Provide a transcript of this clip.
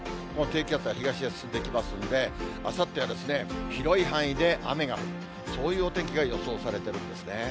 低気圧が東へ進んでいきますんで、あさっては広い範囲で雨が降る、そういうお天気が予想されてるんですね。